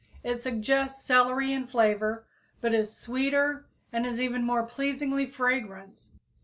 It suggests celery in flavor, but is sweeter and is even more pleasingly fragrant.